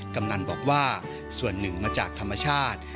กำนันบอกว่าส่วนหนึ่งมาจากธรรมชาติ